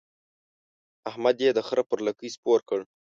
احمد يې د خره پر لکۍ سپور کړ.